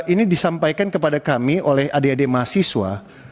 ini disampaikan kepada kami oleh adik adik mahasiswa